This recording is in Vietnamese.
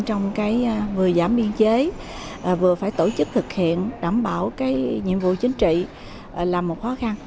trong vừa giảm biên chế vừa phải tổ chức thực hiện đảm bảo cái nhiệm vụ chính trị là một khó khăn